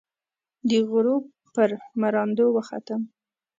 د غروب پر مراندو، وختم